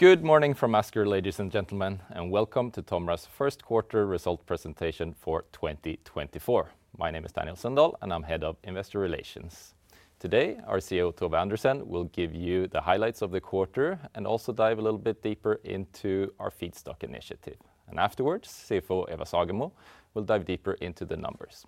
Good morning from us, dear ladies and gentlemen, and welcome to TOMRA's first quarter result presentation for 2024. My name is Daniel Sundahl, and I'm Head of Investor Relations. Today, our CEO, Tove Andersen, will give you the highlights of the quarter and also dive a little bit deeper into our Feedstock initiative. Afterwards, CFO, Eva Sagemo, will dive deeper into the numbers.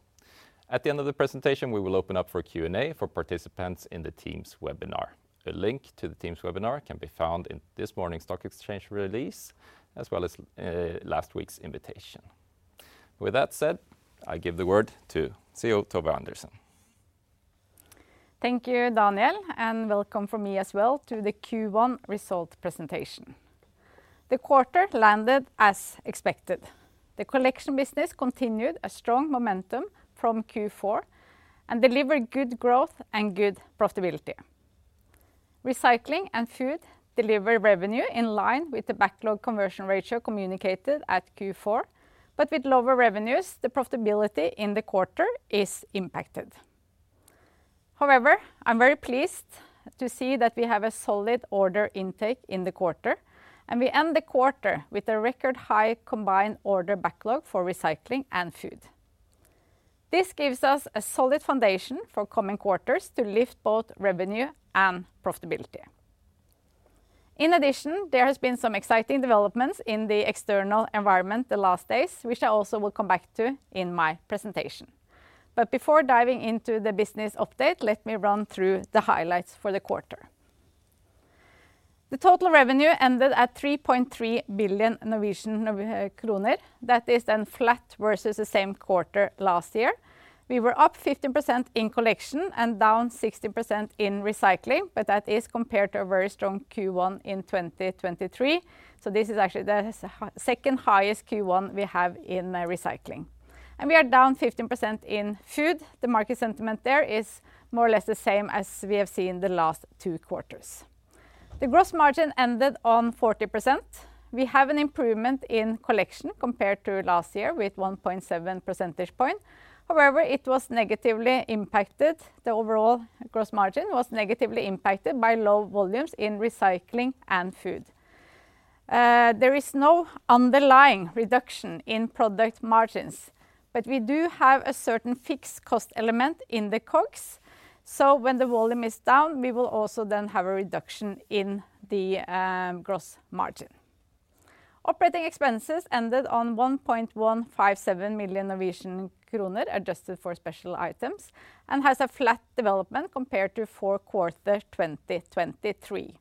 At the end of the presentation, we will open up for Q&A for participants in the Teams webinar. A link to the Teams webinar can be found in this morning's Stock Exchange release, as well as last week's invitation. With that said, I give the word to CEO Tove Andersen. Thank you, Daniel, and welcome from me as well to the Q1 result presentation. The quarter landed as expected. The Collection business continued a strong momentum from Q4 and delivered good growth and good profitability. Recycling and Food deliver revenue in line with the backlog conversion ratio communicated at Q4, but with lower revenues, the profitability in the quarter is impacted. However, I'm very pleased to see that we have a solid order intake in the quarter, and we end the quarter with a record high combined order backlog for Recycling and Food. This gives us a solid foundation for coming quarters to lift both revenue and profitability. In addition, there have been some exciting developments in the external environment the last days, which I also will come back to in my presentation. But before diving into the business update, let me run through the highlights for the quarter. The total revenue ended at 3.3 billion Norwegian kroner. That is then flat versus the same quarter last year. We were up 15% in Collection and down 16% in Recycling, but that is compared to a very strong Q1 in 2023. So this is actually the second highest Q1 we have in Recycling. And we are down 15% in Food. The market sentiment there is more or less the same as we have seen the last two quarters. The gross margin ended on 40%. We have an improvement in Collection compared to last year with 1.7 percentage point. However, it was negatively impacted. The overall gross margin was negatively impacted by low volumes in Recycling and Food. There is no underlying reduction in product margins, but we do have a certain fixed cost element in the COGS. When the volume is down, we will also then have a reduction in the gross margin. Operating expenses ended on 1.157 million Norwegian kroner adjusted for special items and has a flat development compared to fourth quarter 2023.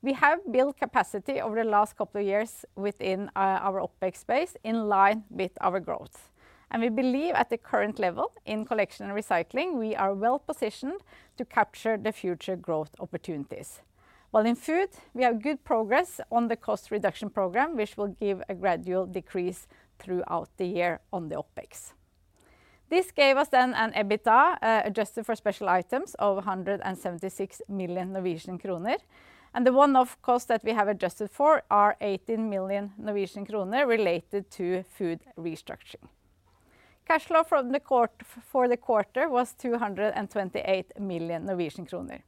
We have built capacity over the last couple of years within our OpEx space in line with our growth. We believe at the current level in Collection and Recycling, we are well positioned to capture the future growth opportunities. While in Food, we have good progress on the cost reduction program, which will give a gradual decrease throughout the year on the OpEx. This gave us then an EBITDA adjusted for special items of 176 million Norwegian kroner. The one-off costs that we have adjusted for are 18 million Norwegian kroner related to Food restructuring. Cash flow for the quarter was 228 million Norwegian kroner.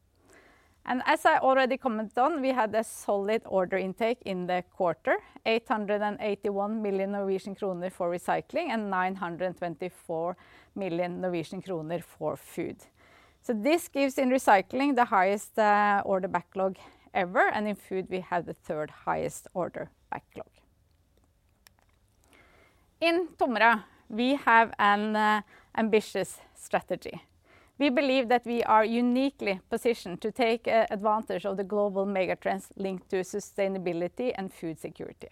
As I already commented on, we had a solid order intake in the quarter, 881 million Norwegian kroner for Recycling and 924 million Norwegian kroner for Food. This gives in Recycling the highest order backlog ever, and in Food, we have the third highest order backlog. In TOMRA, we have an ambitious strategy. We believe that we are uniquely positioned to take advantage of the global megatrends linked to sustainability and food security.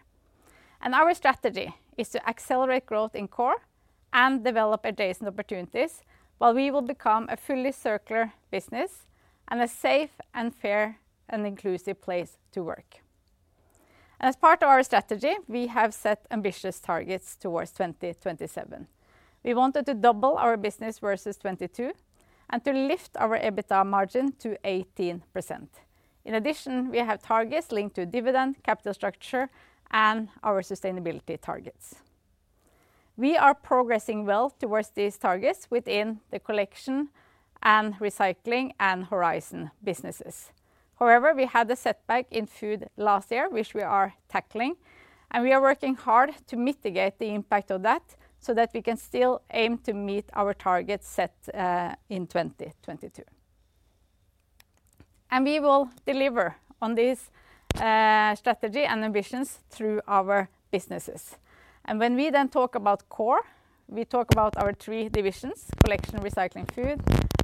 Our strategy is to accelerate growth in core and develop adjacent opportunities while we will become a fully circular business and a safe, fair, and inclusive place to work. As part of our strategy, we have set ambitious targets towards 2027. We wanted to double our business versus 2022 and to lift our EBITDA margin to 18%. In addition, we have targets linked to dividend, capital structure, and our sustainability targets. We are progressing well towards these targets within the Collection and Recycling and Horizon businesses. However, we had a setback in Food last year, which we are tackling. We are working hard to mitigate the impact of that so that we can still aim to meet our targets set in 2022. We will deliver on this strategy and ambitions through our businesses. When we then talk about core, we talk about our three divisions: Collection, Recycling, Food.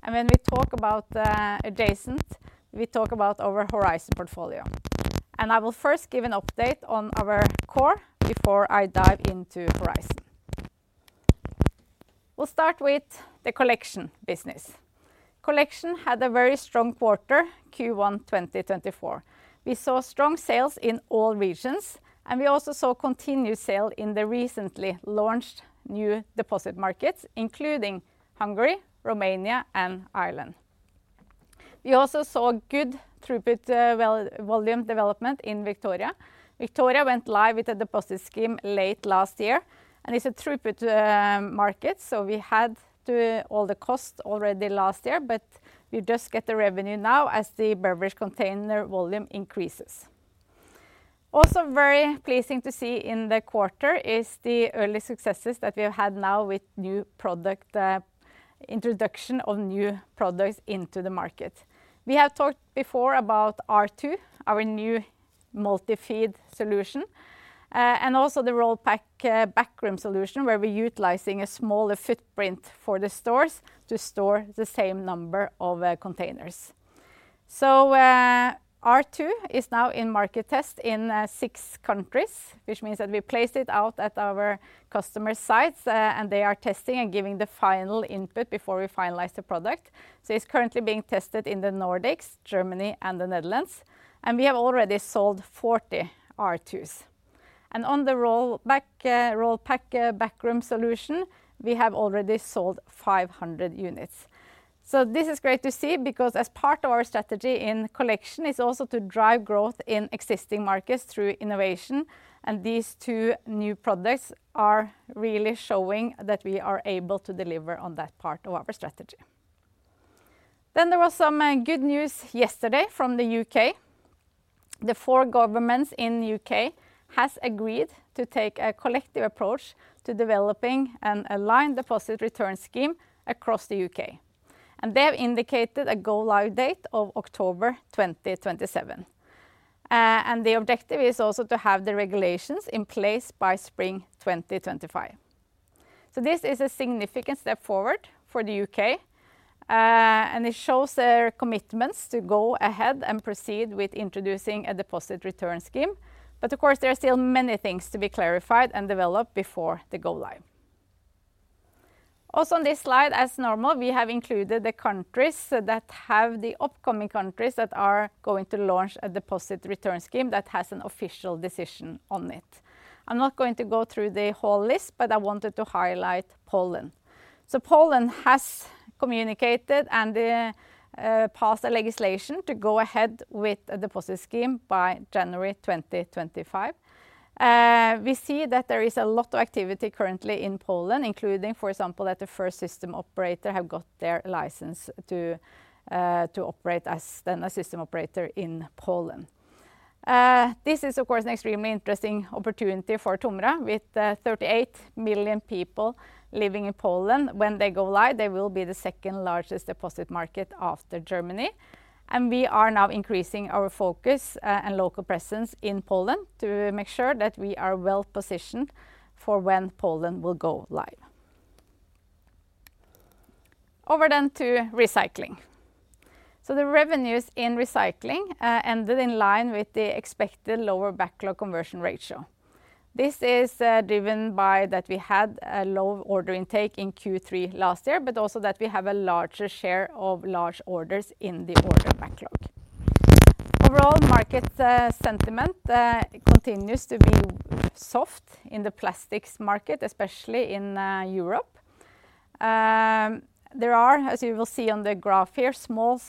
When we talk about adjacent, we talk about our Horizon portfolio. I will first give an update on our core before I dive into Horizon. We'll start with the Collection business. Collection had a very strong quarter, Q1 2024. We saw strong sales in all regions, and we also saw continued sales in the recently launched new deposit markets, including Hungary, Romania, and Ireland. We also saw good throughput volume development in Victoria. Victoria went live with a deposit scheme late last year. It's a throughput market, so we had all the costs already last year, but we just get the revenue now as the beverage container volume increases. Also very pleasing to see in the quarter is the early successes that we have had now with introduction of new products into the market. We have talked before about R2, our new multi-feed solution, and also the RollPac backroom solution where we're utilizing a smaller footprint for the stores to store the same number of containers. So R2 is now in market test in six countries, which means that we placed it out at our customers' sites, and they are testing and giving the final input before we finalize the product. So it's currently being tested in the Nordics, Germany, and the Netherlands. We have already sold 40 R2s. On the RollPac backroom solution, we have already sold 500 units. So this is great to see because as part of our strategy in Collection is also to drive growth in existing markets through innovation. These two new products are really showing that we are able to deliver on that part of our strategy. There was some good news yesterday from the U.K. The four governments in the U.K. have agreed to take a collective approach to developing an aligned deposit return scheme across the U.K. They have indicated a go-live date of October 2027. The objective is also to have the regulations in place by spring 2025. This is a significant step forward for the U.K. It shows their commitments to go ahead and proceed with introducing a deposit return scheme. Of course, there are still many things to be clarified and developed before the go-live. Also on this slide, as normal, we have included the countries that have the upcoming countries that are going to launch a deposit return scheme that has an official decision on it. I'm not going to go through the whole list, but I wanted to highlight Poland. Poland has communicated and passed a legislation to go ahead with a deposit scheme by January 2025. We see that there is a lot of activity currently in Poland, including, for example, that the first system operator has got their license to operate as then a system operator in Poland. This is, of course, an extremely interesting opportunity for TOMRA with 38 million people living in Poland. When they go live, they will be the second largest deposit market after Germany. We are now increasing our focus and local presence in Poland to make sure that we are well positioned for when Poland will go live. Over then to Recycling. The revenues in Recycling ended in line with the expected lower backlog conversion ratio. This is driven by that we had a low order intake in Q3 last year, but also that we have a larger share of large orders in the order backlog. Overall, market sentiment continues to be soft in the plastics market, especially in Europe. There are, as you will see on the graph here, small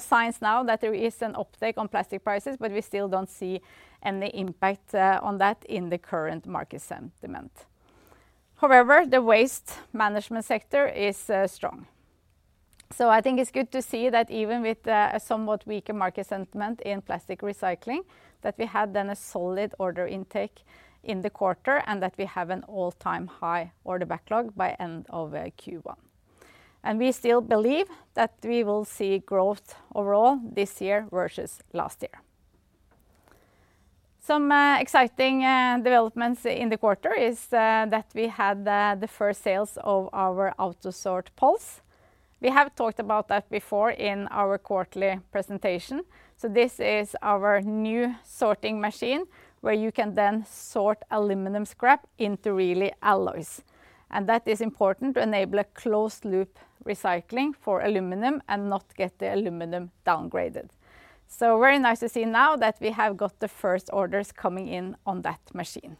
signs now that there is an uptake on plastic prices, but we still don't see any impact on that in the current market sentiment. However, the waste management sector is strong. So I think it's good to see that even with a somewhat weaker market sentiment in plastic recycling, that we had then a solid order intake in the quarter and that we have an all-time high order backlog by end of Q1. And we still believe that we will see growth overall this year versus last year. Some exciting developments in the quarter is that we had the first sales of our AUTOSORT PULSE. We have talked about that before in our quarterly presentation. So this is our new sorting machine where you can then sort aluminum scrap into real alloys. And that is important to enable a closed-loop recycling for aluminum and not get the aluminum downgraded. So very nice to see now that we have got the first orders coming in on that machine.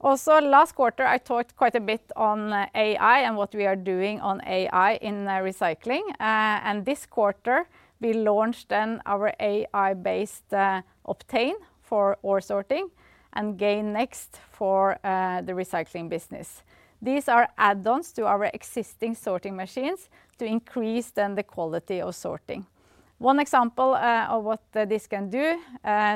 Also, last quarter, I talked quite a bit on AI and what we are doing on AI in Recycling. And this quarter, we launched then our AI-based OBTAIN for our sorting and GAINnext for the Recycling business. These are add-ons to our existing sorting machines to increase then the quality of sorting. One example of what this can do,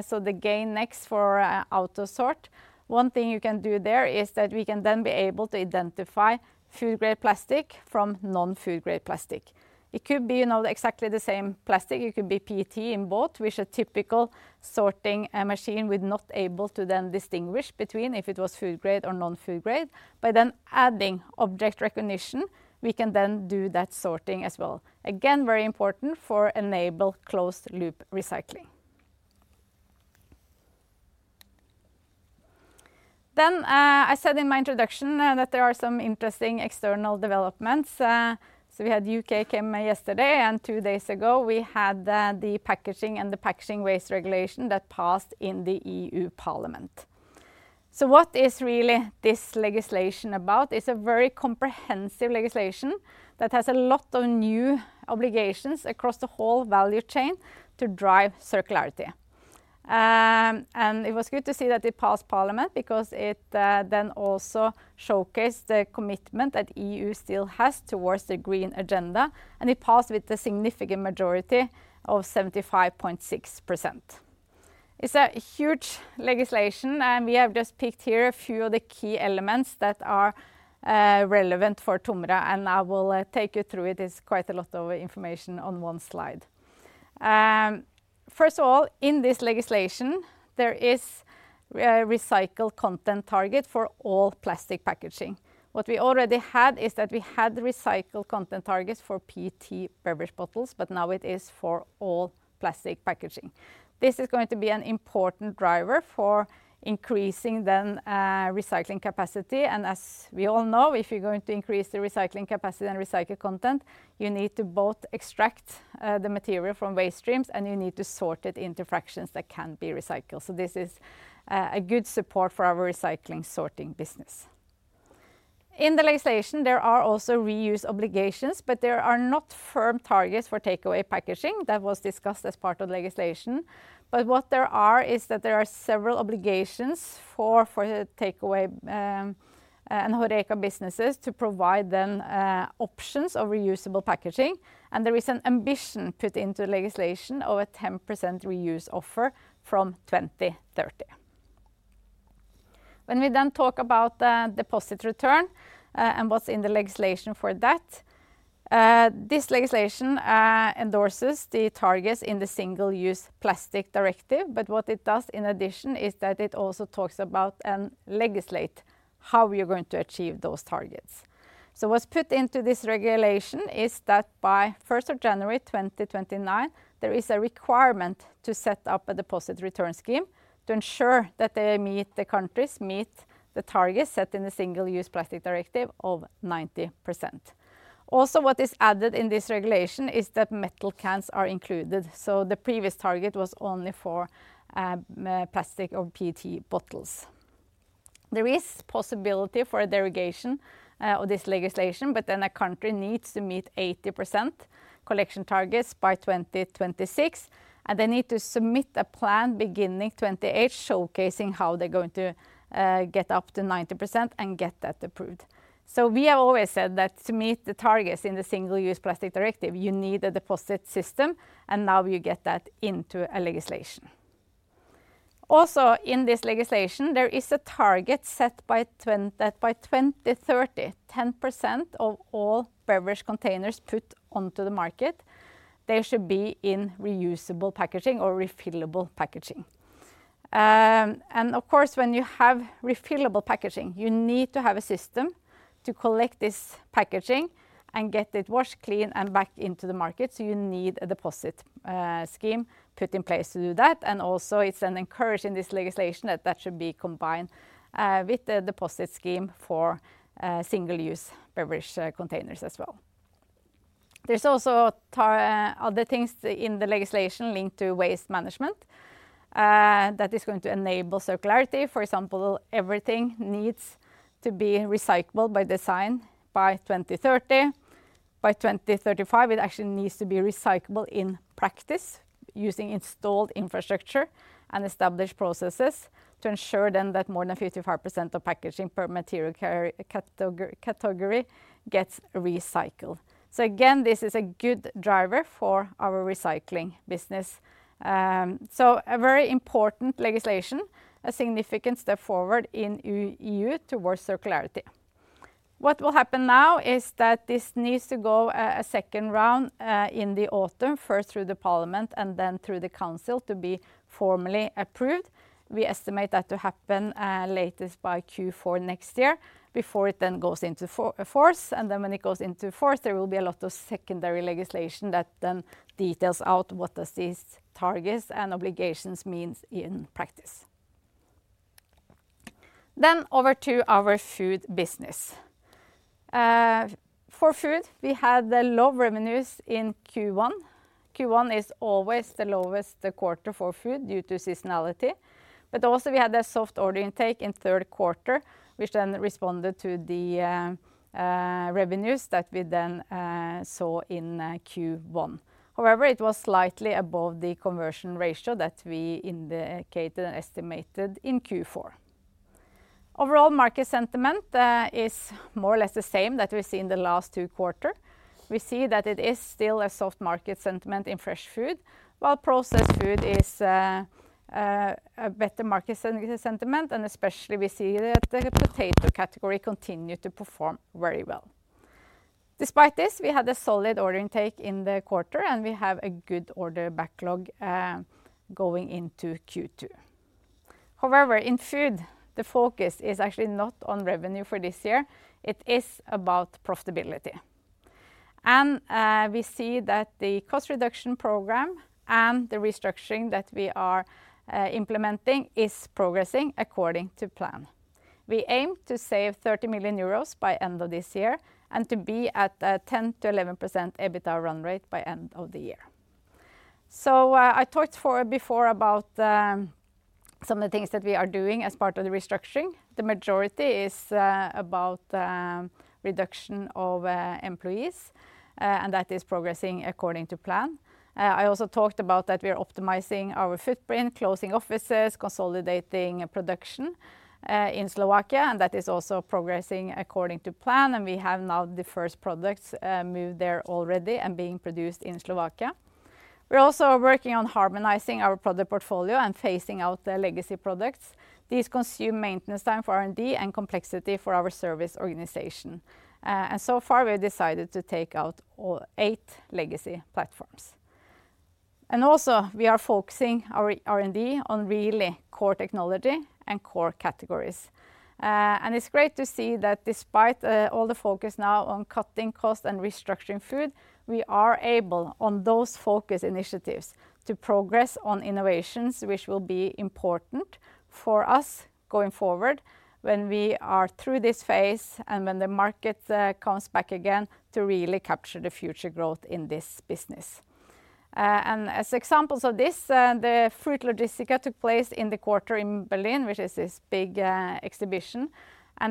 so the GAINnext for AUTOSORT, one thing you can do there is that we can then be able to identify food-grade plastic from non-food-grade plastic. It could be exactly the same plastic. It could be PET in both, which a typical sorting machine would not be able to then distinguish between if it was food-grade or non-food-grade. By then adding object recognition, we can then do that sorting as well. Again, very important for enabling closed-loop recycling. Then I said in my introduction that there are some interesting external developments. So we had U.K. come yesterday, and two days ago, we had the Packaging and Packaging Waste Regulation that passed in the EU Parliament. So what is really this legislation about? It's a very comprehensive legislation that has a lot of new obligations across the whole value chain to drive circularity. It was good to see that it passed Parliament because it then also showcased the commitment that the EU still has towards the green agenda. It passed with a significant majority of 75.6%. It's a huge legislation. We have just picked here a few of the key elements that are relevant for TOMRA. I will take you through it. It's quite a lot of information on one slide. First of all, in this legislation, there is a recycled content target for all plastic packaging. What we already had is that we had recycled content targets for PET beverage bottles, but now it is for all plastic packaging. This is going to be an important driver for increasing the recycling capacity. And as we all know, if you're going to increase the recycling capacity and recycled content, you need to both extract the material from waste streams, and you need to sort it into fractions that can be recycled. So this is a good support for our Recycling sorting business. In the legislation, there are also reuse obligations, but there are not firm targets for takeaway packaging. That was discussed as part of the legislation. But what there are is that there are several obligations for takeaway and HoReCa businesses to provide the options of reusable packaging. And there is an ambition put into the legislation of a 10% reuse offer from 2030. When we then talk about deposit return and what's in the legislation for that, this legislation endorses the targets in the Single-Use Plastics Directive. But what it does in addition is that it also talks about and legislates how you're going to achieve those targets. So what's put into this regulation is that by 1st of January 2029, there is a requirement to set up a deposit return scheme to ensure that they meet the countries meet the targets set in the Single-Use Plastics Directive of 90%. Also, what is added in this regulation is that metal cans are included. So the previous target was only for plastic or PET bottles. There is possibility for a derogation of this legislation, but then a country needs to meet 80% collection targets by 2026. They need to submit a plan beginning 2028 showcasing how they're going to get up to 90% and get that approved. We have always said that to meet the targets in the Single-Use Plastics Directive, you need a deposit system. Now you get that into a legislation. In this legislation, there is a target set by 2030, 10% of all beverage containers put onto the market, they should be in reusable packaging or refillable packaging. Of course, when you have refillable packaging, you need to have a system to collect this packaging and get it washed, cleaned, and back into the market. You need a deposit scheme put in place to do that. It's then encouraged in this legislation that that should be combined with the deposit scheme for single-use beverage containers as well. There's also other things in the legislation linked to waste management that is going to enable circularity. For example, everything needs to be recyclable by design by 2030. By 2035, it actually needs to be recyclable in practice using installed infrastructure and established processes to ensure then that more than 55% of packaging per material category gets recycled. So again, this is a good driver for our Recycling business. So a very important legislation, a significant step forward in the EU towards circularity. What will happen now is that this needs to go a second round in the autumn, first through the Parliament and then through the Council to be formally approved. We estimate that to happen latest by Q4 next year before it then goes into force. And then when it goes into force, there will be a lot of secondary legislation that then details out what these targets and obligations mean in practice. Then over to our Food business. For Food, we had low revenues in Q1. Q1 is always the lowest quarter for Food due to seasonality. But also, we had a soft order intake in third quarter, which then responded to the revenues that we then saw in Q1. However, it was slightly above the conversion ratio that we indicated and estimated in Q4. Overall, market sentiment is more or less the same that we've seen the last two quarters. We see that it is still a soft market sentiment in fresh food, while processed food is a better market sentiment. And especially, we see that the potato category continued to perform very well. Despite this, we had a solid order intake in the quarter, and we have a good order backlog going into Q2. However, in Food, the focus is actually not on revenue for this year. It is about profitability. And we see that the cost reduction program and the restructuring that we are implementing is progressing according to plan. We aim to save 30 million euros by end of this year and to be at a 10%-11% EBITDA run rate by end of the year. So I talked before about some of the things that we are doing as part of the restructuring. The majority is about reduction of employees, and that is progressing according to plan. I also talked about that we are optimizing our footprint, closing offices, consolidating production in Slovakia. And that is also progressing according to plan. We have now the first products moved there already and being produced in Slovakia. We're also working on harmonizing our product portfolio and phasing out the legacy products. These consume maintenance time for R&D and complexity for our service organization. So far, we have decided to take out eight legacy platforms. Also, we are focusing our R&D on really core technology and core categories. It's great to see that despite all the focus now on cutting costs and restructuring Food, we are able, on those focus initiatives, to progress on innovations, which will be important for us going forward when we are through this phase and when the market comes back again to really capture the future growth in this business. As examples of this, the FRUIT LOGISTICA took place in the quarter in Berlin, which is this big exhibition.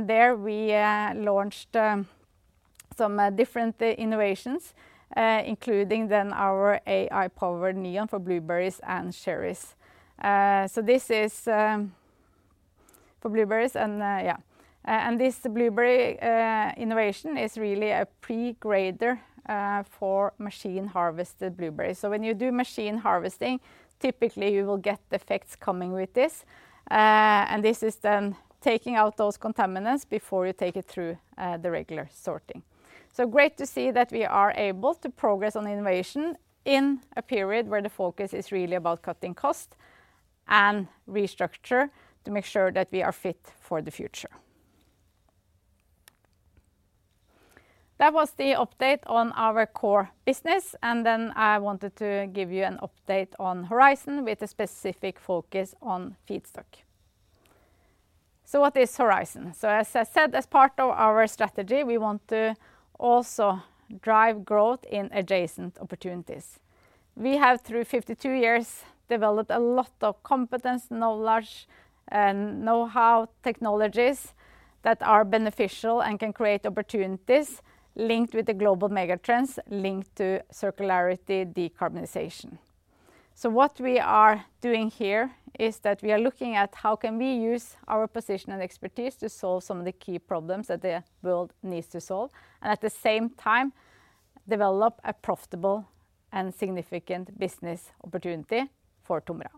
There, we launched some different innovations, including then our AI-powered Neon for blueberries and cherries. So this is for blueberries. And yeah, this blueberry innovation is really a pre-grader for machine-harvested blueberries. So when you do machine harvesting, typically, you will get defects coming with this. And this is then taking out those contaminants before you take it through the regular sorting. So great to see that we are able to progress on innovation in a period where the focus is really about cutting costs and restructure to make sure that we are fit for the future. That was the update on our core business. And then I wanted to give you an update on Horizon with a specific focus on Feedstock. So what is Horizon? So as I said, as part of our strategy, we want to also drive growth in adjacent opportunities. We have, through 52 years, developed a lot of competence, knowledge, and know-how technologies that are beneficial and can create opportunities linked with the global megatrends linked to circularity decarbonization. So what we are doing here is that we are looking at how can we use our position and expertise to solve some of the key problems that the world needs to solve and, at the same time, develop a profitable and significant business opportunity for TOMRA.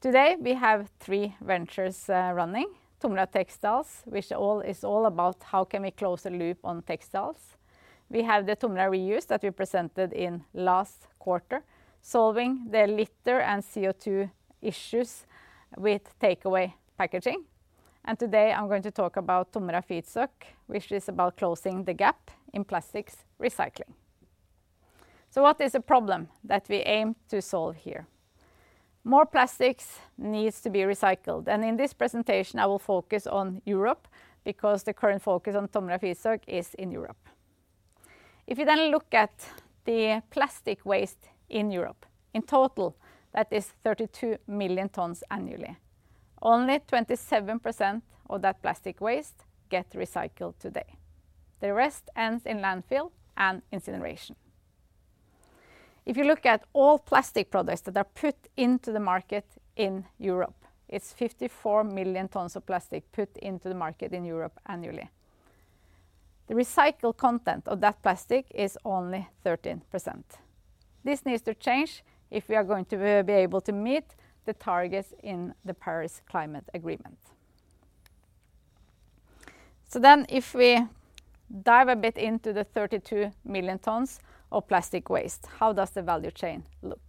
Today, we have three ventures running, TOMRA Textiles, which is all about how can we close the loop on textiles. We have the TOMRA Reuse that we presented in last quarter, solving the litter and CO2 issues with takeaway packaging. And today, I'm going to talk about TOMRA Feedstock, which is about closing the gap in plastics recycling. So what is a problem that we aim to solve here? More plastics need to be recycled. In this presentation, I will focus on Europe because the current focus on TOMRA Feedstock is in Europe. If you then look at the plastic waste in Europe, in total, that is 32 million tons annually. Only 27% of that plastic waste gets recycled today. The rest ends in landfill and incineration. If you look at all plastic products that are put into the market in Europe, it's 54 million tons of plastic put into the market in Europe annually. The recycled content of that plastic is only 13%. This needs to change if we are going to be able to meet the targets in the Paris Climate Agreement. Then if we dive a bit into the 32 million tons of plastic waste, how does the value chain look?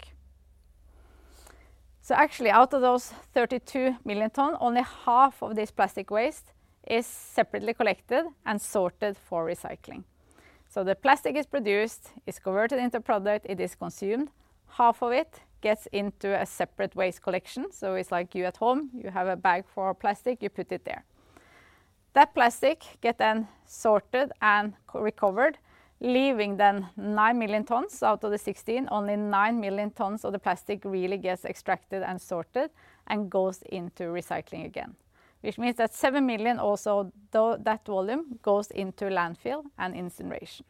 So actually, out of those 32 million tons, only half of this plastic waste is separately collected and sorted for Recycling. So the plastic is produced, is converted into a product. It is consumed. Half of it gets into a separate waste collection. So it's like you at home. You have a bag for plastic. You put it there. That plastic gets then sorted and recovered, leaving then 9 million tons out of the 16. Only 9 million tons of the plastic really gets extracted and sorted and goes into Recycling again, which means that 7 million, also that volume, goes into landfill and incineration.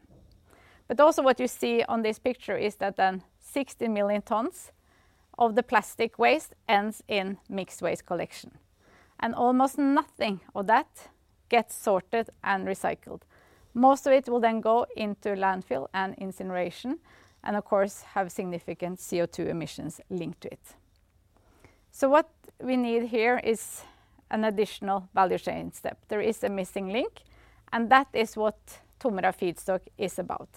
But also, what you see on this picture is that then 60 million tons of the plastic waste ends in mixed waste collection. And almost nothing of that gets sorted and recycled. Most of it will then go into landfill and incineration and, of course, have significant CO2 emissions linked to it. So what we need here is an additional value chain step. There is a missing link. And that is what TOMRA Feedstock is about.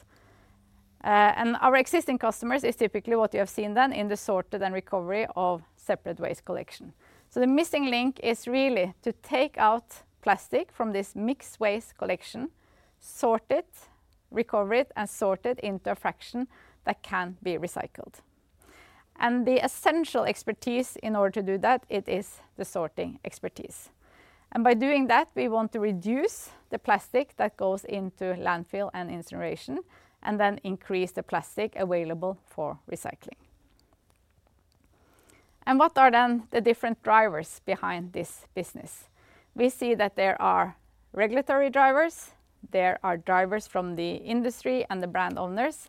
And our existing customers is typically what you have seen then in the sorted and recovery of separate waste collection. So the missing link is really to take out plastic from this mixed waste collection, sort it, recover it, and sort it into a fraction that can be recycled. And the essential expertise in order to do that, it is the sorting expertise. And by doing that, we want to reduce the plastic that goes into landfill and incineration and then increase the plastic available for recycling. And what are then the different drivers behind this business? We see that there are regulatory drivers. There are drivers from the industry and the brand owners.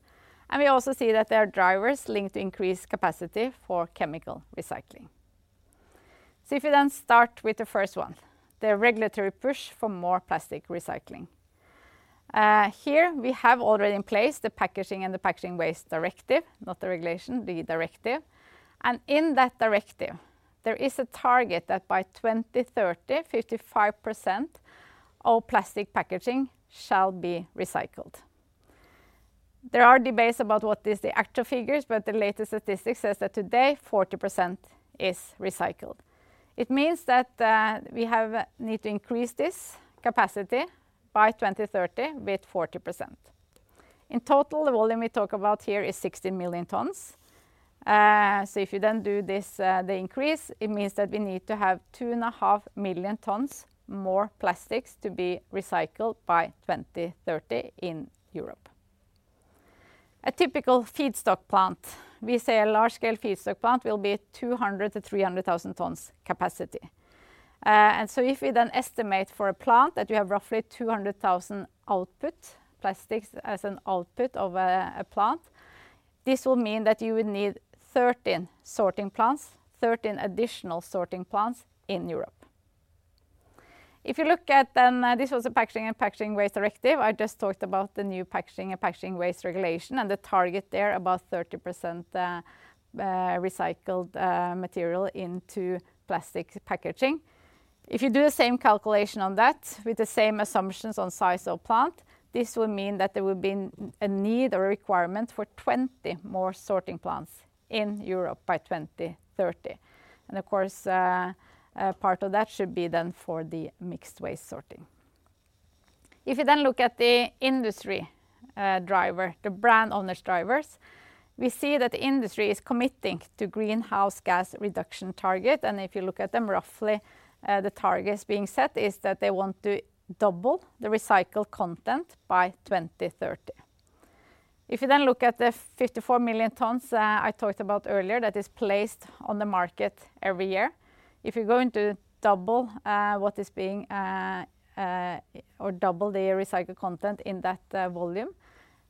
We also see that there are drivers linked to increased capacity for chemical recycling. If we then start with the first one, the regulatory push for more plastic Recycling. Here, we have already in place the Packaging and Packaging Waste Directive, not the regulation, the directive. In that directive, there is a target that by 2030, 55% of plastic packaging shall be recycled. There are debates about what the actual figures are. The latest statistics say that today, 40% is recycled. It means that we need to increase this capacity by 2030 with 40%. In total, the volume we talk about here is 60 million tons. If you then do the increase, it means that we need to have 2.5 million tons more plastics to be recycled by 2030 in Europe. A typical feedstock plant, we say a large-scale feedstock plant will be 200,000-300,000 tons capacity. So if we then estimate for a plant that you have roughly 200,000 plastics as an output of a plant, this will mean that you would need 13 sorting plants, 13 additional sorting plants in Europe. If you look at then this was the Packaging and Packaging Waste Directive. I just talked about the new Packaging and Packaging Waste Regulation and the target there, about 30% recycled material into plastic packaging. If you do the same calculation on that with the same assumptions on size of plant, this will mean that there will be a need or a requirement for 20 more sorting plants in Europe by 2030. Of course, part of that should be then for the mixed waste sorting. If you then look at the industry driver, the brand-owners' drivers, we see that the industry is committing to the greenhouse gas reduction target. If you look at them, roughly, the targets being set is that they want to double the recycled content by 2030. If you then look at the 54 million tons I talked about earlier that is placed on the market every year, if you're going to double what is being or double the recycled content in that volume,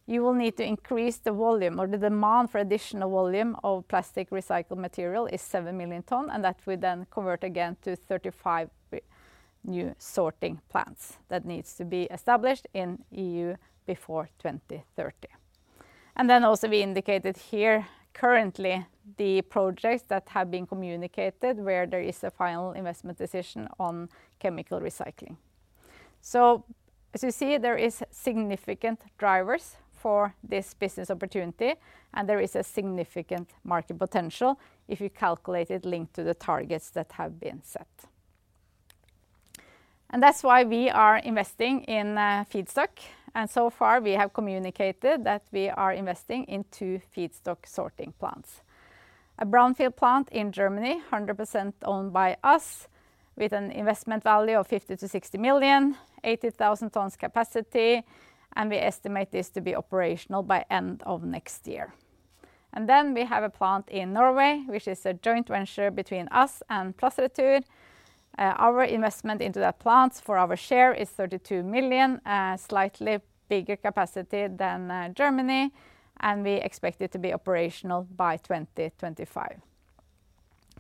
you will need to increase the volume. The demand for additional volume of plastic recycled material is 7 million tons. And that would then convert again to 35 new sorting plants that need to be established in the EU before 2030. And then also, we indicated here currently the projects that have been communicated where there is a final investment decision on chemical Recycling. So as you see, there are significant drivers for this business opportunity. There is a significant market potential if you calculate it linked to the targets that have been set. That's why we are investing in feedstock. So far, we have communicated that we are investing in two feedstock sorting plants, a brownfield plant in Germany, 100% owned by us, with an investment value of 50 million-60 million, 80,000 tons capacity. We estimate this to be operational by the end of next year. Then we have a plant in Norway, which is a joint venture between us and Plastretur. Our investment into that plant for our share is 32 million, slightly bigger capacity than Germany. We expect it to be operational by 2025.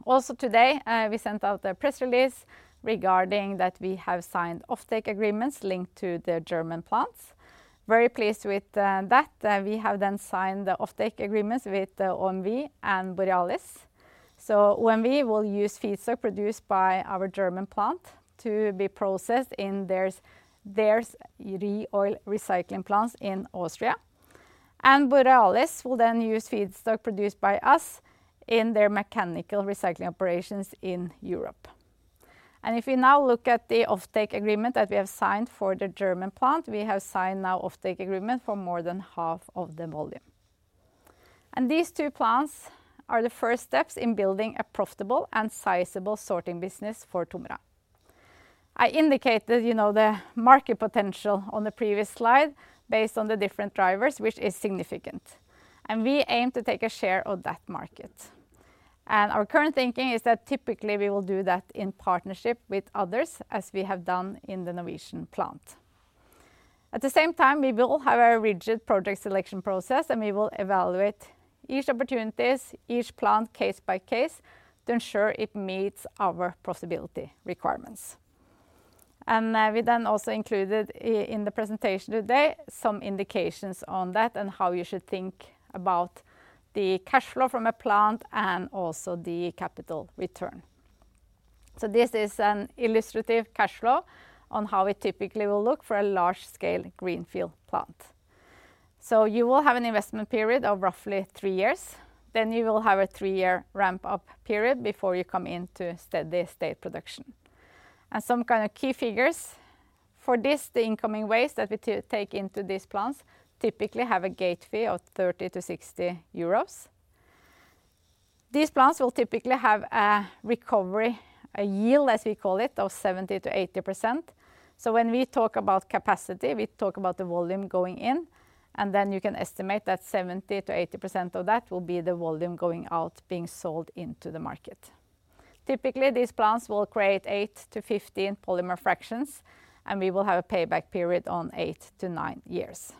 Also, today, we sent out a press release regarding that we have signed offtake agreements linked to the German plants. Very pleased with that, we have then signed the offtake agreements with OMV and Borealis. OMV will use feedstock produced by our German plant to be processed in their ReOil Recycling plants in Austria. Borealis will then use feedstock produced by us in their mechanical recycling operations in Europe. If we now look at the offtake agreement that we have signed for the German plant, we have signed now an offtake agreement for more than half of the volume. These two plants are the first steps in building a profitable and sizable sorting business for TOMRA. I indicated the market potential on the previous slide based on the different drivers, which is significant. We aim to take a share of that market. Our current thinking is that typically, we will do that in partnership with others, as we have done in the Norwegian plant. At the same time, we will have a rigid project selection process. We will evaluate each opportunity, each plant, case by case to ensure it meets our profitability requirements. We then also included in the presentation today some indications on that and how you should think about the cash flow from a plant and also the capital return. This is an illustrative cash flow on how it typically will look for a large-scale greenfield plant. You will have an investment period of roughly three years. Then you will have a three-year ramp-up period before you come into steady state production. Some kind of key figures for this, the incoming waste that we take into these plants typically have a gate fee of 30-60 euros. These plants will typically have a recovery yield, as we call it, of 70%-80%. When we talk about capacity, we talk about the volume going in. And then you can estimate that 70%-80% of that will be the volume going out being sold into the market. Typically, these plants will create 8-15 polymer fractions. And we will have a payback period on eight to nine years.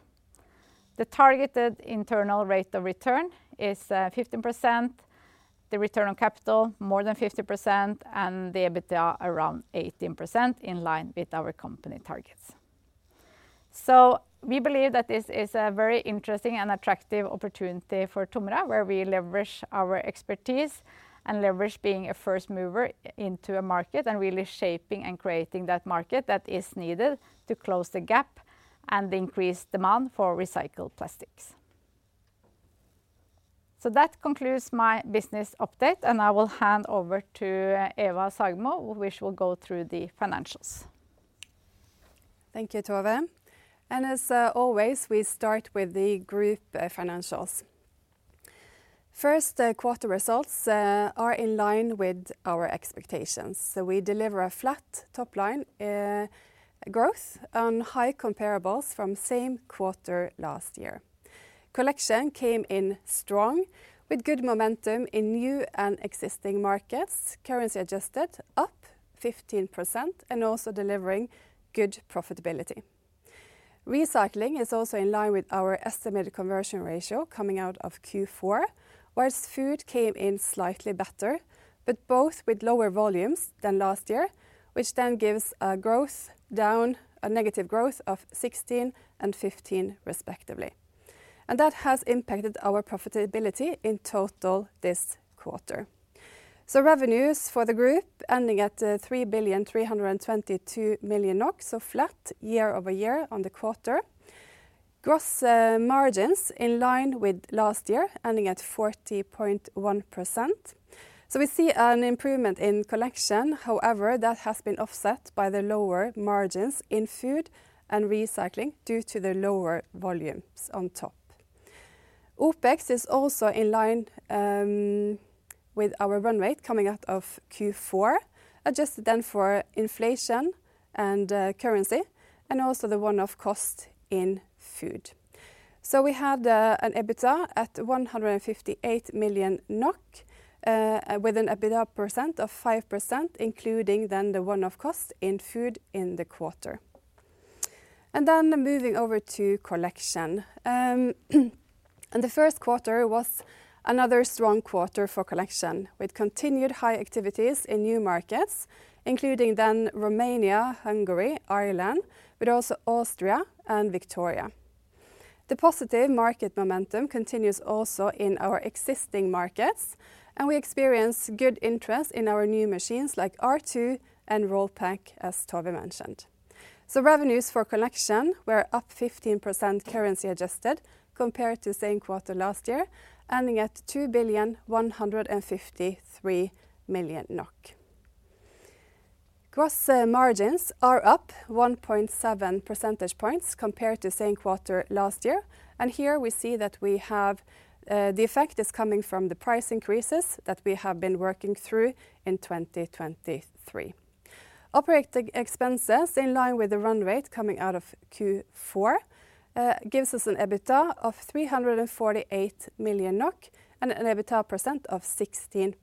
The targeted internal rate of return is 15%, the return on capital more than 50%, and the EBITDA around 18% in line with our company targets. We believe that this is a very interesting and attractive opportunity for TOMRA, where we leverage our expertise and leverage being a first mover into a market and really shaping and creating that market that is needed to close the gap and increase demand for recycled plastics. That concludes my business update. I will hand over to Eva Sagemo, which will go through the financials. Thank you, Tove. As always, we start with the group financials. First quarter results are in line with our expectations. So we deliver a flat topline growth on high comparables from the same quarter last year. Collection came in strong, with good momentum in new and existing markets, currency adjusted up 15%, and also delivering good profitability. Recycling is also in line with our estimated conversion ratio coming out of Q4, whereas Food came in slightly better, but both with lower volumes than last year, which then gives a growth down, a negative growth of 16% and 15%, respectively. And that has impacted our profitability in total this quarter. So revenues for the group ending at 3.322 billion, so flat year-over-year on the quarter, gross margins in line with last year, ending at 40.1%. So we see an improvement in Collection. However, that has been offset by the lower margins in Food and Recycling due to the lower volumes on top. OpEx is also in line with our run rate coming out of Q4, adjusted then for inflation and currency, and also the one-off cost in Food. We had an EBITDA at 158 million NOK, with an EBITDA percent of 5%, including then the one-off cost in Food in the quarter. Then moving over to Collection. The first quarter was another strong quarter for Collection with continued high activities in new markets, including then Romania, Hungary, Ireland, but also Austria and Victoria. The positive market momentum continues also in our existing markets. We experience good interest in our new machines like R2 and RollPac, as Tove mentioned. So revenues for Collection were up 15% currency adjusted compared to the same quarter last year, ending at 2.153 billion. Gross margins are up 1.7 percentage points compared to the same quarter last year. And here, we see that the effect is coming from the price increases that we have been working through in 2023. Operating expenses, in line with the run rate coming out of Q4, gives us an EBITDA of 348 million NOK and an EBITDA percent of 16%.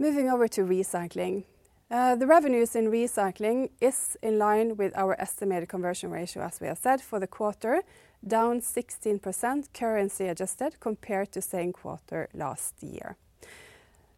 Moving over to Recycling. The revenues in Recycling are in line with our estimated conversion ratio, as we have said for the quarter, down 16% currency adjusted compared to the same quarter last year.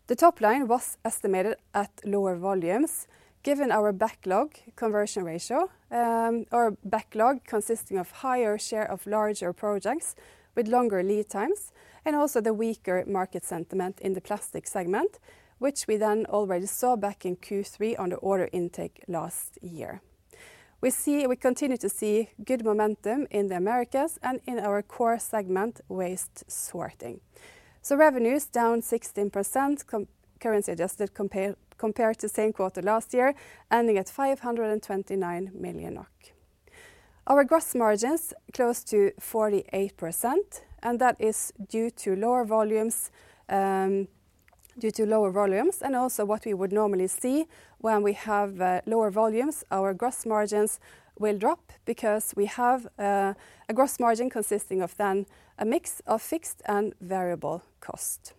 The topline was estimated at lower volumes given our backlog conversion ratio, our backlog consisting of a higher share of larger projects with longer lead times and also the weaker market sentiment in the plastic segment, which we then already saw back in Q3 on the order intake last year. We continue to see good momentum in the Americas and in our core segment, waste sorting. Revenues down 16% currency adjusted compared to the same quarter last year, ending at 529 million NOK. Our gross margins are close to 48%. And that is due to lower volumes due to lower volumes. And also, what we would normally see when we have lower volumes, our gross margins will drop because we have a gross margin consisting of then a mix of fixed and variable cost.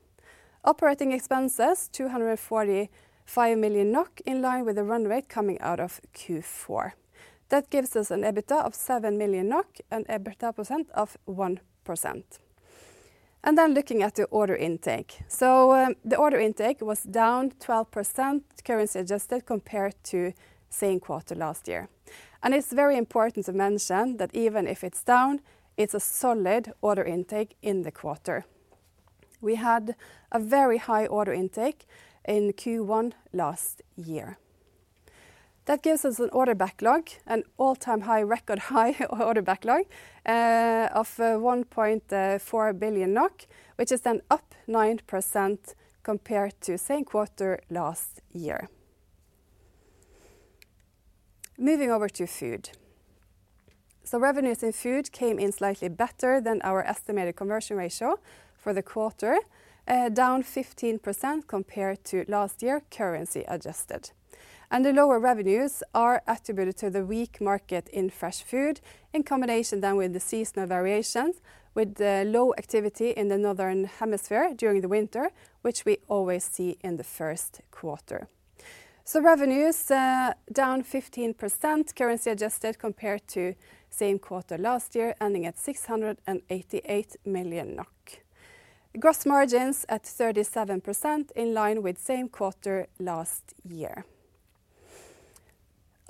Operating expenses, 245 million NOK, in line with the run rate coming out of Q4. That gives us an EBITDA of 7 million NOK and an EBITDA percent of 1%. And then looking at the order intake. So the order intake was down 12% currency adjusted compared to the same quarter last year. And it's very important to mention that even if it's down, it's a solid order intake in the quarter. We had a very high order intake in Q1 last year. That gives us an order backlog, an all-time high record high order backlog of 1.4 billion NOK, which is then up 9% compared to the same quarter last year. Moving over to Food. So revenues in Food came in slightly better than our estimated conversion ratio for the quarter, down 15% compared to last year currency adjusted. The lower revenues are attributed to the weak market in fresh Food in combination then with the seasonal variations, with low activity in the northern hemisphere during the winter, which we always see in the first quarter. Revenues down 15% currency adjusted compared to the same quarter last year, ending at 688 million NOK, gross margins at 37% in line with the same quarter last year.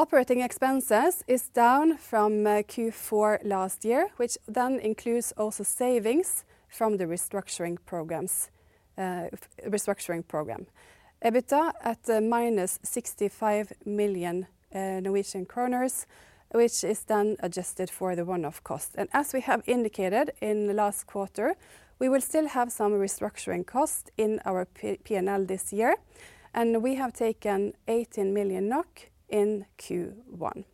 Operating expenses are down from Q4 last year, which then includes also savings from the restructuring programs, restructuring program, EBITDA at -65 million Norwegian kroner, which is then adjusted for the one-off cost. As we have indicated in the last quarter, we will still have some restructuring cost in our P&L this year. We have taken 18 million NOK in Q1.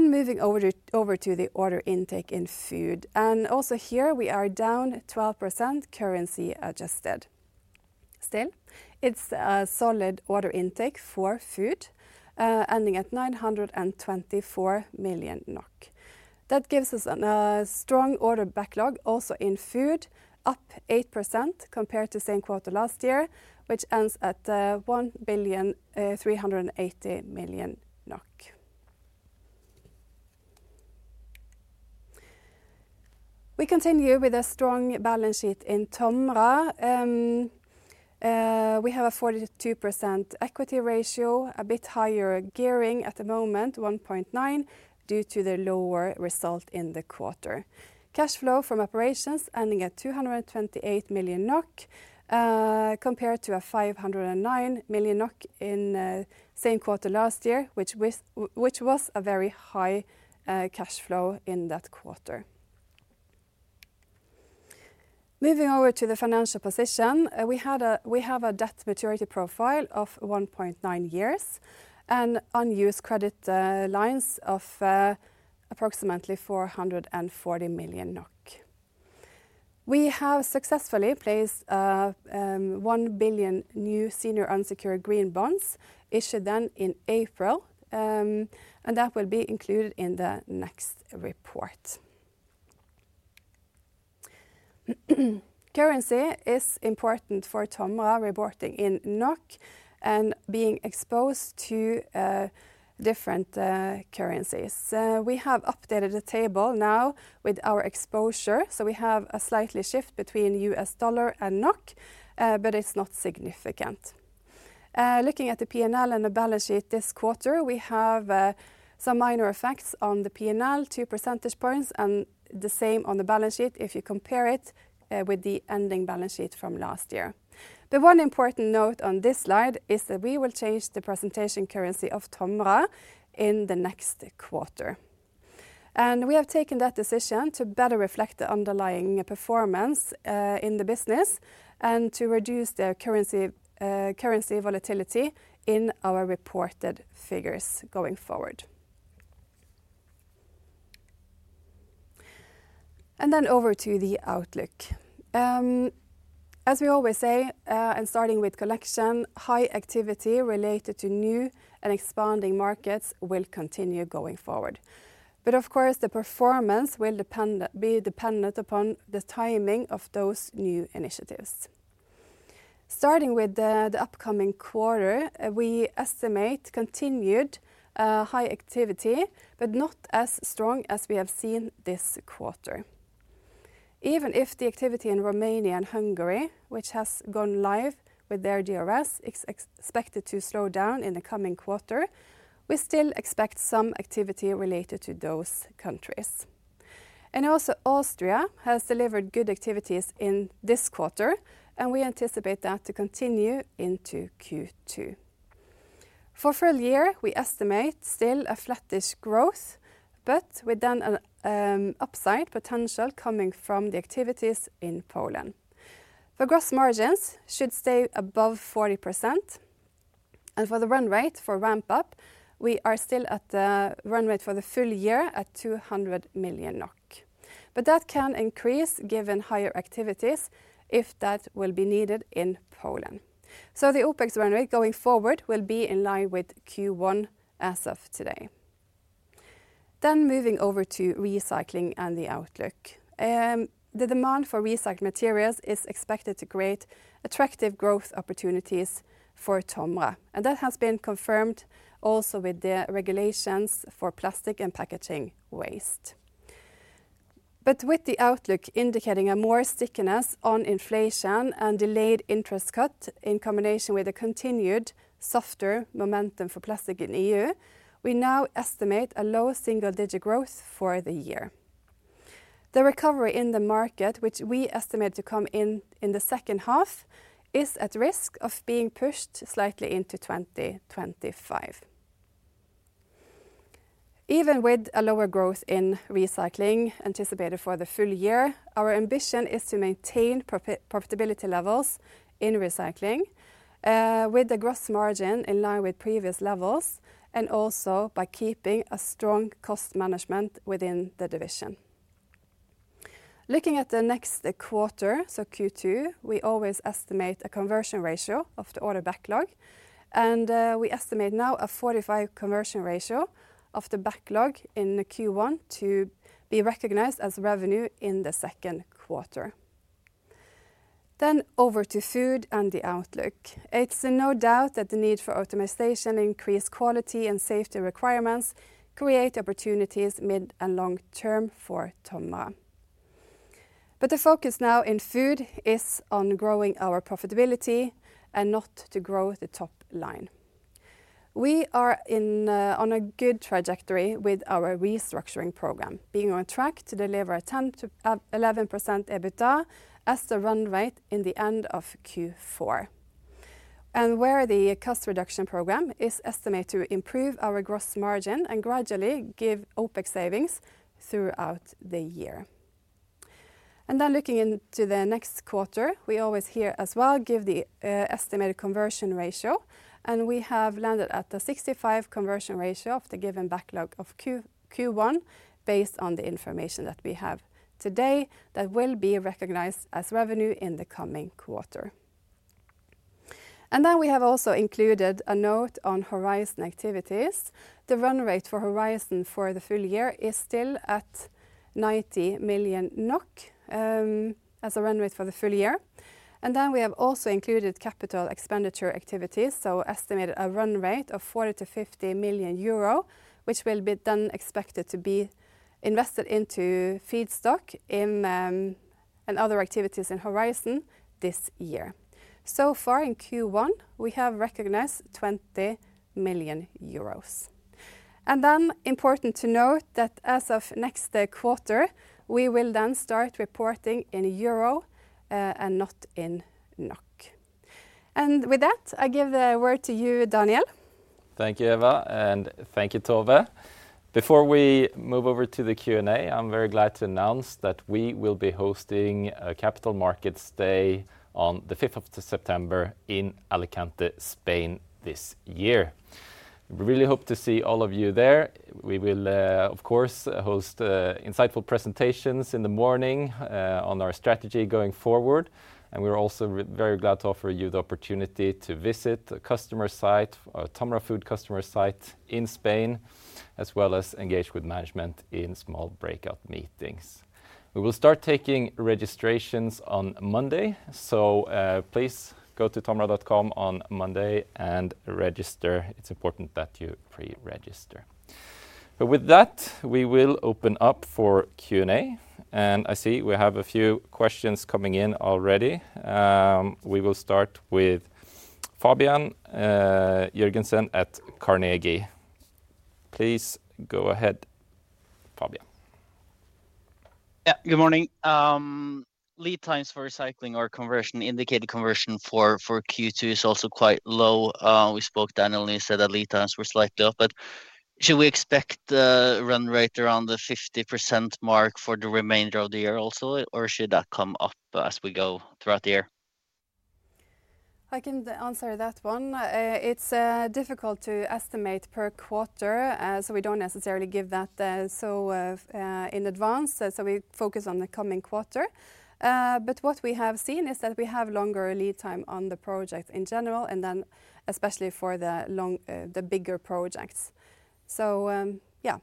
Moving over to the order intake in Food. Also here, we are down 12% currency adjusted. Still, it's a solid order intake for Food, ending at 924 million NOK. That gives us a strong order backlog also in Food, up 8% compared to the same quarter last year, which ends at 1.38 billion. We continue with a strong balance sheet in TOMRA. We have a 42% equity ratio, a bit higher gearing at the moment, 1.9, due to the lower result in the quarter, cash flow from operations, ending at 228 million NOK compared to 509 million NOK in the same quarter last year, which was a very high cash flow in that quarter. Moving over to the financial position, we have a debt maturity profile of 1.9 years and unused credit lines of approximately 440 million NOK. We have successfully placed 1 billion new senior unsecured green bonds, issued then in April. That will be included in the next report. Currency is important for TOMRA reporting in NOK and being exposed to different currencies. We have updated the table now with our exposure. So we have a slightly shift between U.S. dollar and NOK, but it's not significant. Looking at the P&L and the balance sheet this quarter, we have some minor effects on the P&L, two percentage points, and the same on the balance sheet if you compare it with the ending balance sheet from last year. But one important note on this slide is that we will change the presentation currency of TOMRA in the next quarter. And we have taken that decision to better reflect the underlying performance in the business and to reduce the currency volatility in our reported figures going forward. And then over to the outlook. As we always say, and starting with Collection, high activity related to new and expanding markets will continue going forward. But of course, the performance will be dependent upon the timing of those new initiatives. Starting with the upcoming quarter, we estimate continued high activity, but not as strong as we have seen this quarter. Even if the activity in Romania and Hungary, which has gone live with their DRS, is expected to slow down in the coming quarter, we still expect some activity related to those countries. And also Austria has delivered good activities in this quarter. And we anticipate that to continue into Q2. For full year, we estimate still a flattish growth, but with then an upside potential coming from the activities in Poland. The gross margins should stay above 40%. For the run rate, for ramp-up, we are still at the run rate for the full year at 200 million NOK. That can increase given higher activities if that will be needed in Poland. The OpEx run rate going forward will be in line with Q1 as of today. Moving over to Recycling and the outlook. The demand for recycled materials is expected to create attractive growth opportunities for TOMRA. That has been confirmed also with the regulations for plastic and packaging waste. With the outlook indicating a more stickiness on inflation and delayed interest cut in combination with a continued softer momentum for plastic in the EU, we now estimate a low single-digit growth for the year. The recovery in the market, which we estimate to come in in the second half, is at risk of being pushed slightly into 2025. Even with a lower growth in Recycling anticipated for the full year, our ambition is to maintain profitability levels in Recycling with a gross margin in line with previous levels and also by keeping a strong cost management within the division. Looking at the next quarter, so Q2, we always estimate a conversion ratio of the order backlog. We estimate now a 45 conversion ratio of the backlog in Q1 to be recognized as revenue in the second quarter. Then over to Food and the outlook. It's no doubt that the need for automation, increased quality, and safety requirements create opportunities mid and long term for TOMRA. But the focus now in Food is on growing our profitability and not to grow the top line. We are on a good trajectory with our restructuring program, being on track to deliver a 10%-11% EBITDA as the run rate in the end of Q4. And where the cost reduction program is estimated to improve our gross margin and gradually give OpEx savings throughout the year. And then looking into the next quarter, we always here as well give the estimated conversion ratio. And we have landed at a 65 conversion ratio of the given backlog of Q1 based on the information that we have today that will be recognized as revenue in the coming quarter. And then we have also included a note on Horizon activities. The run rate for Horizon for the full year is still at 90 million NOK as a run rate for the full year. Then we have also included capital expenditure activities, so estimated a run rate of 40 million-50 million euro, which will be then expected to be invested into Feedstock in and other activities in Horizon this year. So far in Q1, we have recognized 20 million euros. It is important to note that as of next quarter, we will then start reporting in EUR and not in NOK. With that, I give the word to you, Daniel. Thank you, Eva. And thank you, Tove. Before we move over to the Q&A, I'm very glad to announce that we will be hosting Capital Markets Day on the 5th of September in Alicante, Spain, this year. We really hope to see all of you there. We will, of course, host insightful presentations in the morning on our strategy going forward. And we're also very glad to offer you the opportunity to visit a customer site, our TOMRA Food customer site in Spain, as well as engage with management in small breakout meetings. We will start taking registrations on Monday. So please go to tomra.com on Monday and register. It's important that you pre-register. But with that, we will open up for Q&A. And I see we have a few questions coming in already. We will start with Fabian Jørgensen at Carnegie. Please go ahead, Fabian. Yeah, good morning. Lead times for Recycling or conversion, indicated conversion for Q2 is also quite low. We spoke, Daniel, and you said that lead times were slightly up. But should we expect a run rate around the 50% mark for the remainder of the year also, or should that come up as we go throughout the year? I can answer that one. It's difficult to estimate per quarter. We don't necessarily give that so in advance. We focus on the coming quarter. But what we have seen is that we have longer lead time on the project in general, and then especially for the bigger projects. Yeah.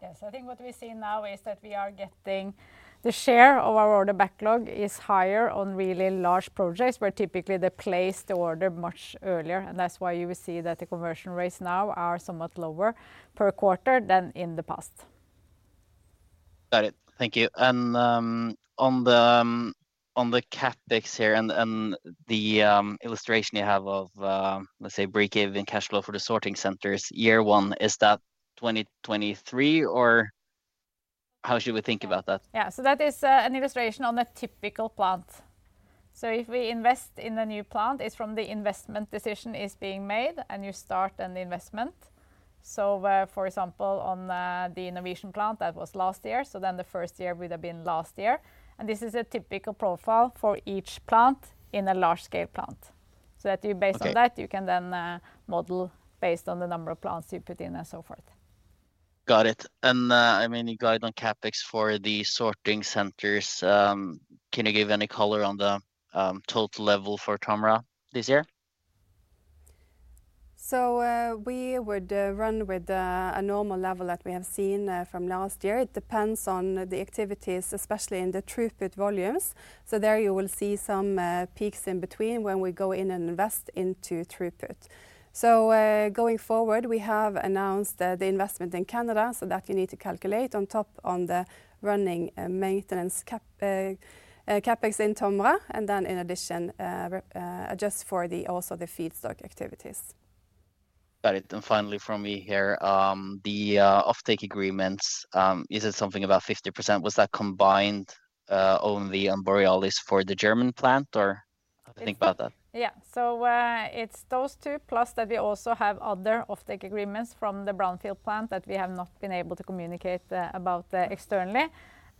Yes, I think what we're seeing now is that we are getting the share of our order backlog is higher on really large projects. We're typically the place to order much earlier. And that's why you will see that the conversion rates now are somewhat lower per quarter than in the past. Got it. Thank you. On the CapEx here and the illustration you have of, let's say, break-even cash flow for the sorting centers, year one, is that 2023, or how should we think about that? Yeah, so that is an illustration on a typical plant. So if we invest in a new plant, it's from the investment decision is being made, and you start an investment. So for example, on the Norwegian plant, that was last year. So then the first year would have been last year. And this is a typical profile for each plant in a large-scale plant. So that you, based on that, you can then model based on the number of plants you put in and so forth. Got it. And I mean, you guide on CapEx for the sorting centers. Can you give any color on the total level for TOMRA this year? We would run with a normal level that we have seen from last year. It depends on the activities, especially in the throughput volumes. There you will see some peaks in between when we go in and invest into throughput. Going forward, we have announced the investment in Canada so that you need to calculate on top on the running maintenance CapEx in TOMRA and then in addition, adjust for also the Feedstock activities. Got it. And finally from me here, the offtake agreements, is it something about 50%? Was that combined only on Borealis for the German plant, or how do you think about that? Yeah, so it's those two, plus that we also have other offtake agreements from the Brownfield plant that we have not been able to communicate about externally.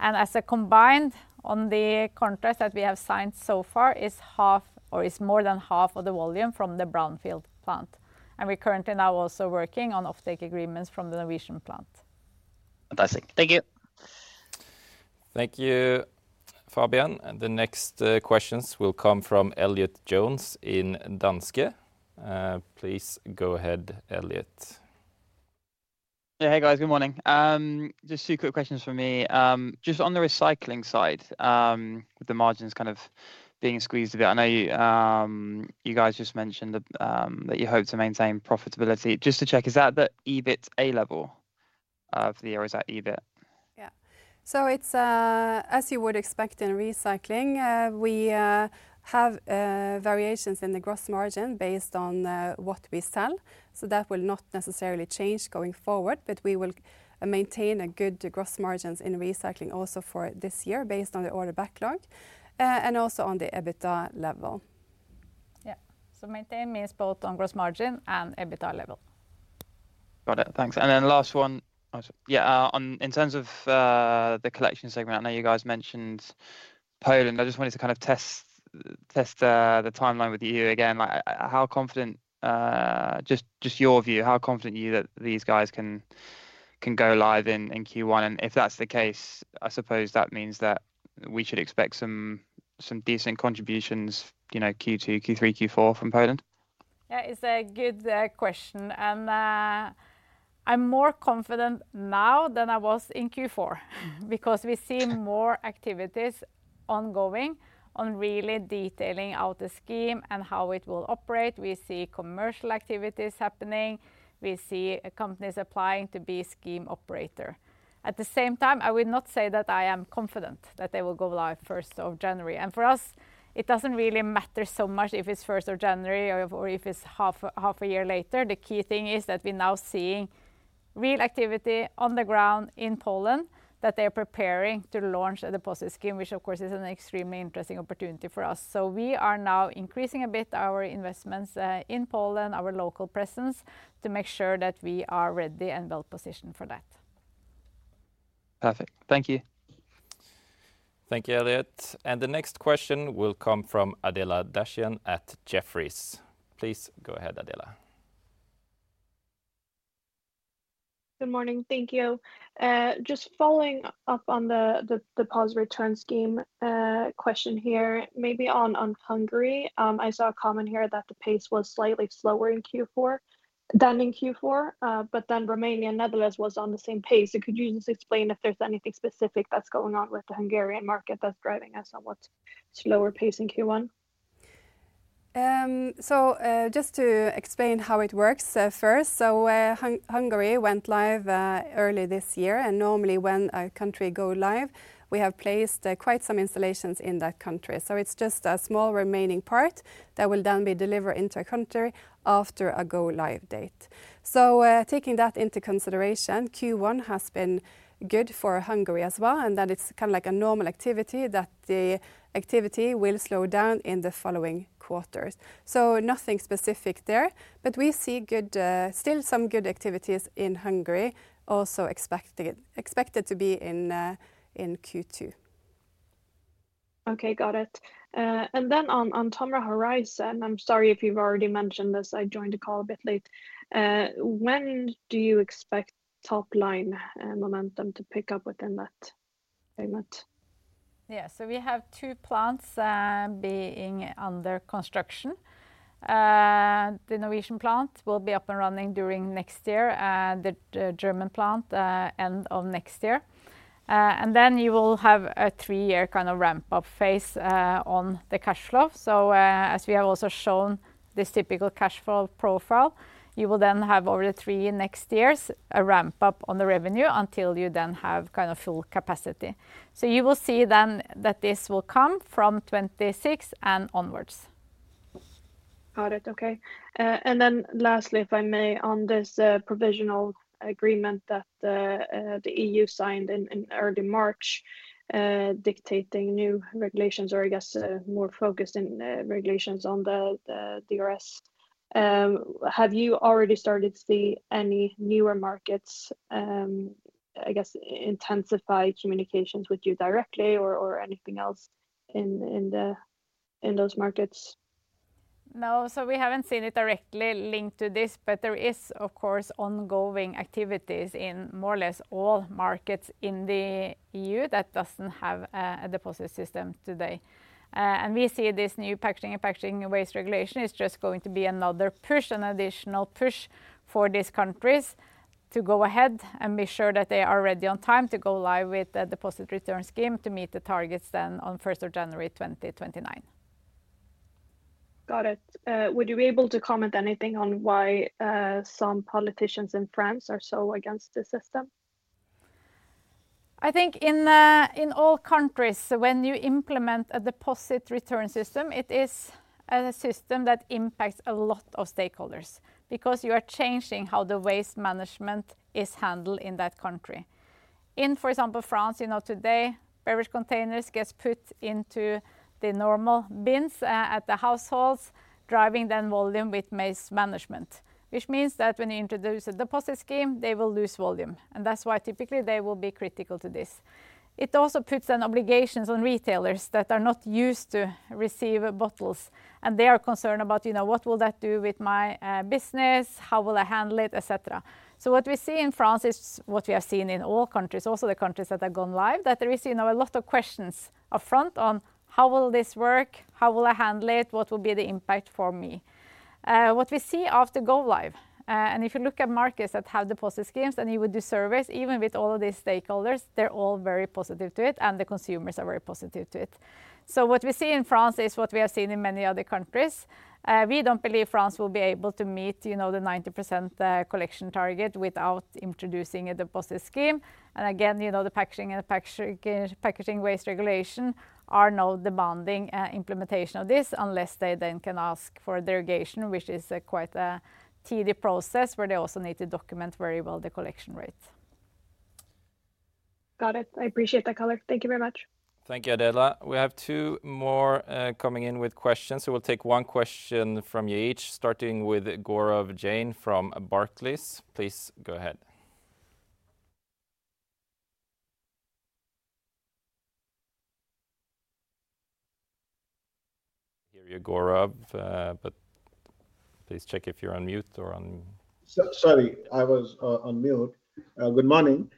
And as a combined, on the contracts that we have signed so far, is half or is more than half of the volume from the Brownfield plant. And we're currently now also working on offtake agreements from the Norwegian plant. Fantastic. Thank you. Thank you, Fabian. The next questions will come from Elliott Jones in Danske. Please go ahead, Elliott. Hey, guys. Good morning. Just two quick questions from me. Just on the Recycling side, with the margins kind of being squeezed a bit, I know you guys just mentioned that you hope to maintain profitability. Just to check, is that the EBITDA level for the year? Or is that EBIT? Yeah. So it's as you would expect in Recycling. We have variations in the gross margin based on what we sell. So that will not necessarily change going forward, but we will maintain good gross margins in Recycling also for this year based on the order backlog and also on the EBITDA level. Yeah. So maintain means both on gross margin and EBITDA level. Got it. Thanks. And then last one. Yeah, in terms of the Collection segment, I know you guys mentioned Poland. I just wanted to kind of test the timeline with you again. Just your view, how confident are you that these guys can go live in Q1? And if that's the case, I suppose that means that we should expect some decent contributions Q2, Q3, Q4 from Poland. Yeah, it's a good question. And I'm more confident now than I was in Q4 because we see more activities ongoing on really detailing out the scheme and how it will operate. We see commercial activities happening. We see companies applying to be scheme operator. At the same time, I would not say that I am confident that they will go live 1st of January. And for us, it doesn't really matter so much if it's 1st of January or if it's half a year later. The key thing is that we're now seeing real activity on the ground in Poland, that they're preparing to launch a deposit scheme, which, of course, is an extremely interesting opportunity for us. So we are now increasing a bit our investments in Poland, our local presence, to make sure that we are ready and well-positioned for that. Perfect. Thank you. Thank you, Elliott. The next question will come from Adela Dashian at Jefferies. Please go ahead, Adela. Good morning. Thank you. Just following up on the deposit return scheme question here, maybe on Hungary, I saw a comment here that the pace was slightly slower than in Q4, but then Romania and Netherlands was on the same pace. So could you just explain if there's anything specific that's going on with the Hungarian market that's driving us on what's slower pace in Q1? So just to explain how it works first. Hungary went live early this year. Normally, when a country goes live, we have placed quite some installations in that country. It's just a small remaining part that will then be delivered into a country after a go-live date. Taking that into consideration, Q1 has been good for Hungary as well. Then it's kind of like a normal activity that the activity will slow down in the following quarters. Nothing specific there. We see still some good activities in Hungary, also expected to be in Q2. Okay, got it. And then on TOMRA Horizon, I'm sorry if you've already mentioned this. I joined the call a bit late. When do you expect top-line momentum to pick up within that segment? Yeah, so we have two plants being under construction. The Norwegian plant will be up and running during next year. The German plant, end of next year. And then you will have a three-year kind of ramp-up phase on the cash flow. So as we have also shown this typical cash flow profile, you will then have over the three next years, a ramp-up on the revenue until you then have kind of full capacity. So you will see then that this will come from 2026 and onwards. Got it. Okay. And then lastly, if I may, on this provisional agreement that the EU signed in early March, dictating new regulations, or I guess more focused regulations on the DRS, have you already started to see any newer markets, I guess, intensify communications with you directly or anything else in those markets? No, we haven't seen it directly linked to this. There is, of course, ongoing activities in more or less all markets in the EU that doesn't have a deposit system today. We see this new Packaging and Packaging Waste Regulation is just going to be another push, an additional push for these countries to go ahead and be sure that they are ready on time to go live with the deposit return scheme to meet the targets then on 1st of January, 2029. Got it. Would you be able to comment anything on why some politicians in France are so against the system? I think in all countries, when you implement a deposit return system, it is a system that impacts a lot of stakeholders because you are changing how the waste management is handled in that country. In, for example, France, today, beverage containers get put into the normal bins at the households, driving then volume with waste management, which means that when you introduce a deposit scheme, they will lose volume. That's why typically, they will be critical to this. It also puts then obligations on retailers that are not used to receive bottles. They are concerned about, what will that do with my business? How will I handle it, et cetera? What we see in France is what we have seen in all countries, also the countries that have gone live, that there is a lot of questions upfront on, how will this work? How will I handle it? What will be the impact for me? What we see after go-live, and if you look at markets that have deposit schemes and you would do surveys even with all of these stakeholders, they're all very positive to it. And the consumers are very positive to it. So what we see in France is what we have seen in many other countries. We don't believe France will be able to meet the 90% collection target without introducing a deposit scheme. And again, the Packaging and Packaging Waste Regulation is now demanding implementation of this unless they then can ask for derogation, which is quite a tedious process where they also need to document very well the collection rate. Got it. I appreciate that color. Thank you very much. Thank you, Adela. We have two more coming in with questions. So we'll take one question from you each, starting with Gaurav Jain from Barclays. Please go ahead. I can't hear you, Gaurav. But please check if you're on mute or not. Sorry. I was on mute. Good morning.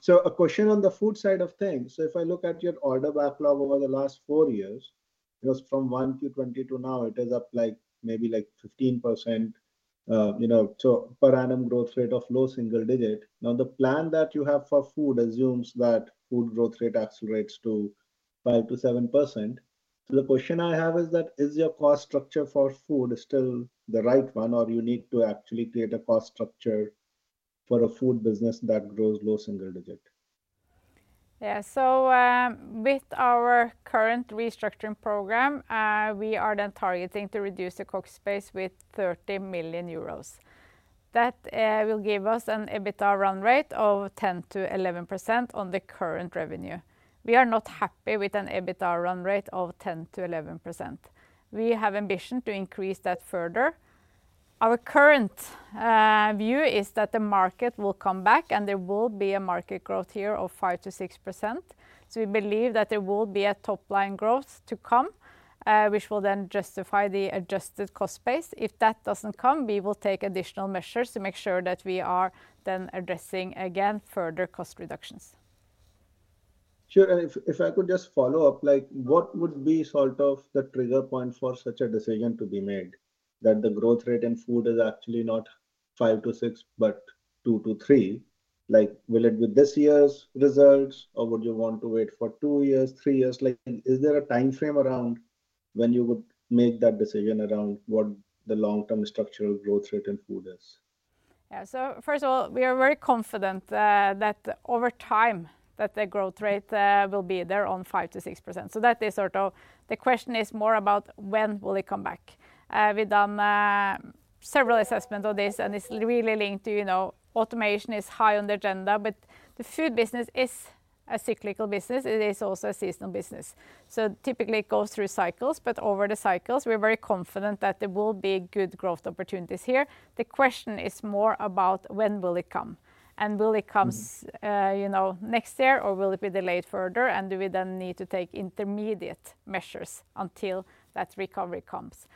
So a question on the Food side of things. So if I look at your order backlog over the last four years, it was from 2021 to 2022 now. It is up maybe like 15% per annum growth rate of low single digit. Now, the plan that you have for Food assumes that Food growth rate accelerates to 5%-7%. So the question I have is that, is your cost structure for Food still the right one, or you need to actually create a cost structure for a Food business that grows low single digit? Yeah. So with our current restructuring program, we are then targeting to reduce the cost base with 30 million euros. That will give us an EBITDA run rate of 10%-11% on the current revenue. We are not happy with an EBITDA run rate of 10%-11%. We have ambition to increase that further. Our current view is that the market will come back, and there will be a market growth here of 5%-6%. So we believe that there will be a top-line growth to come, which will then justify the adjusted cost base. If that doesn't come, we will take additional measures to make sure that we are then addressing again further cost reductions. Sure. And if I could just follow up, what would be sort of the trigger point for such a decision to be made that the growth rate in Food is actually not 5%-6% but 2%-3%? Will it be this year's results, or would you want to wait for two years, three years? Is there a time frame around when you would make that decision around what the long-term structural growth rate in Food is? Yeah. So first of all, we are very confident that over time, that the growth rate will be there on 5%-6%. So that is sort of the question is more about when will it come back? We've done several assessments of this. And it's really linked to automation is high on the agenda. But the Food business is a cyclical business. It is also a seasonal business. So typically, it goes through cycles. But over the cycles, we're very confident that there will be good growth opportunities here. The question is more about when will it come? And will it come next year, or will it be delayed further? And do we then need to take intermediate measures until that recovery comes?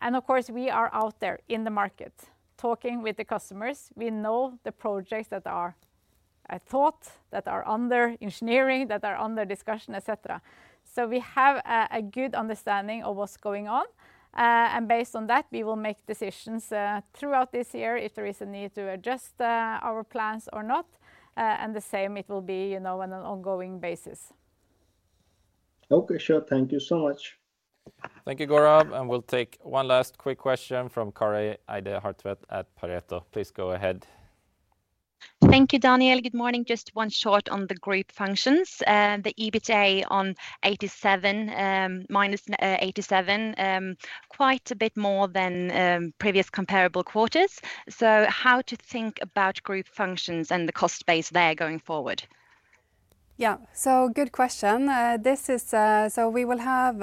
And of course, we are out there in the market talking with the customers. We know the projects that are afoot, that are under engineering, that are under discussion, et cetera. So we have a good understanding of what's going on. And the same, it will be on an ongoing basis. Okay. Sure. Thank you so much. Thank you, Gaurav. We'll take one last quick question from Kari Eide Hartvedt at Pareto. Please go ahead. Thank you, Daniel. Good morning. Just one short on the group functions. The EBITDA of -87, quite a bit more than previous comparable quarters. So how to think about group functions and the cost base there going forward? Yeah. So good question. So we will have,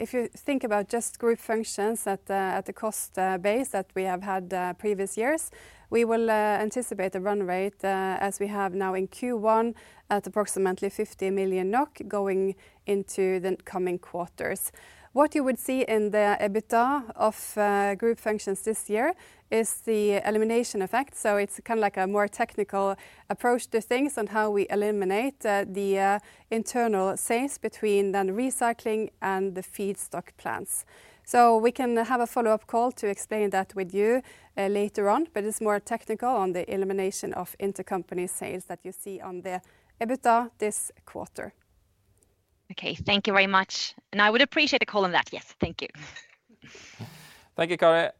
if you think about just group functions at the cost base that we have had previous years, we will anticipate a run rate as we have now in Q1 at approximately 50 million NOK going into the coming quarters. What you would see in the EBITDA of group functions this year is the elimination effect. So it's kind of like a more technical approach to things on how we eliminate the internal sales between the Recycling and the Feedstock plants. So we can have a follow-up call to explain that with you later on. But it's more technical on the elimination of intercompany sales that you see on the EBITDA this quarter. Okay. Thank you very much. I would appreciate a call on that. Yes. Thank you. Thank you, Kari.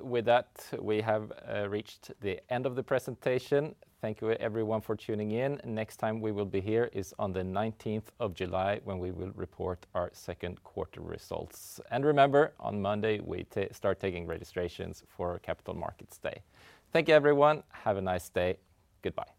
With that, we have reached the end of the presentation. Thank you, everyone, for tuning in. Next time we will be here is on the 19th of July when we will report our second quarter results. Remember, on Monday, we start taking registrations for Capital Markets Day. Thank you, everyone. Have a nice day. Goodbye.